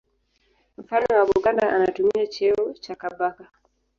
Mfalme wa Buganda anatumia cheo cha Kabaka.